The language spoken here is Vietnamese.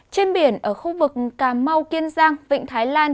trên biển ở khu vực cà mau kiên giang vịnh thái lan